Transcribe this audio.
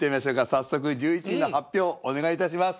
早速１１位の発表お願いいたします。